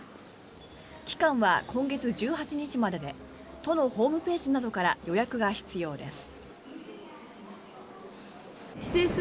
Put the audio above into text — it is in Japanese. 期間は今月１８日までで都のホームページなどから予約が必要です。